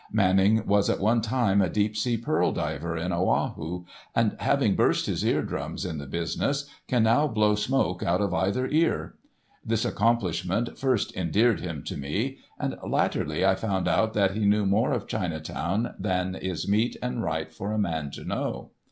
Manning was at one time a deep sea pearl diver in Oahu, and, having burst his ear drums in the business, can now blow smoke out of either ear. This accomplishment first endeared him to me, and latterly I found out that he knew more of Chinatown than is meet and right for a man to know.